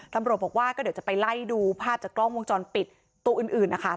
ตำรวจบอกว่าก็เดี๋ยวจะไปไล่ดูภาพจากกล้องวงจรปิดตัวอื่นนะคะ